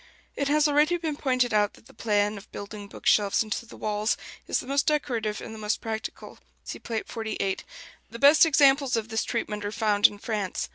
It has already been pointed out that the plan of building book shelves into the walls is the most decorative and the most practical (see Plate XLVIII). The best examples of this treatment are found in France.